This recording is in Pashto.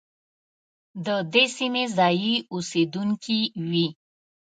د دې سیمې ځايي اوسېدونکي وي.